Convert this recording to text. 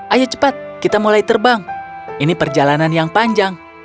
ayo cepat kita mulai terbang ini perjalanan yang panjang